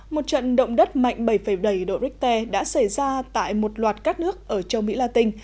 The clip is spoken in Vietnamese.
một trận động đất mạnh bảy bảy độ richter đã xảy ra tại một loạt các nước ở châu mỹ latin